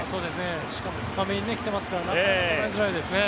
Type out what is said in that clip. しかも高めに来てますからなかなか捉えづらいですね。